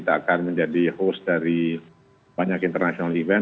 akan menjadi host dari banyak international event